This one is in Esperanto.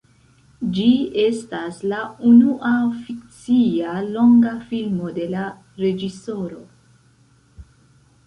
Ĝi estas la unua fikcia longa filmo de la reĝisoro.